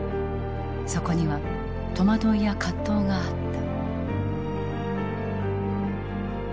そこには戸惑いや葛藤があった。